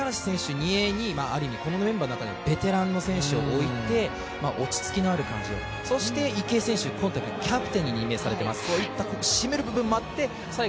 逆に五十嵐選手２泳に、この選手の中ではベテランの選手を置いて、落ち着きのある感じを、そして池江選手、今大会のキャプテンに任命されています。